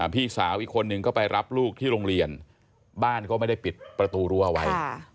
พี่สาวอีกคนนึงก็ไปรับลูกที่โรงเรียนบ้านก็ไม่ได้ปิดประตูรั้วไว้